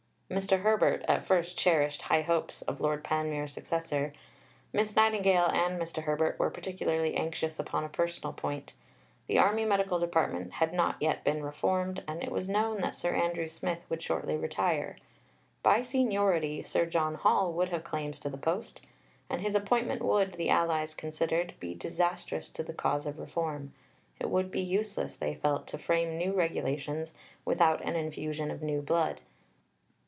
Mr. Herbert at first cherished high hopes of Lord Panmure's successor. Miss Nightingale and Mr. Herbert were particularly anxious upon a personal point. The Army Medical Department had not yet been reformed, and it was known that Sir Andrew Smith would shortly retire. By seniority Sir John Hall would have claims to the post, and his appointment would, the allies considered, be disastrous to the cause of reform; it would be useless, they felt, to frame new regulations without an infusion of new blood.